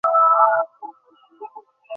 জিজ্ঞাসা করলে, মাসিমা, লাবণ্য কোথায়।